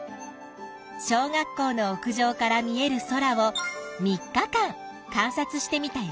小学校の屋上から見える空を３日間観察してみたよ。